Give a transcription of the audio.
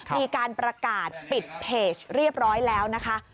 มีการประกาศปิดเพจเรียบร้อยแล้วนะคะ